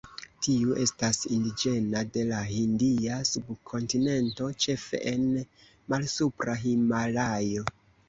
Tiu estas indiĝena de la Hindia subkontinento, ĉefe en Malsupra Himalajo.